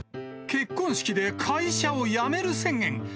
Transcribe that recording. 結婚式で会社を辞める宣言。